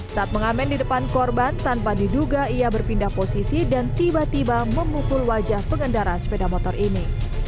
saat mengamen di depan korban tanpa diduga ia berpindah posisi dan tiba tiba memukul wajah pengendara sepeda motor ini